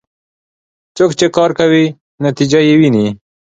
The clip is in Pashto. څوک چې کار کوي، نتیجه یې ويني.